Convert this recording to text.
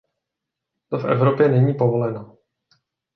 To v Evropě není povoleno.